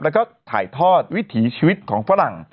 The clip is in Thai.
แล้วก็ถ่ายทอดวิถีชีวิตของฝรั่ง